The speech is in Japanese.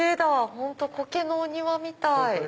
本当コケのお庭みたい。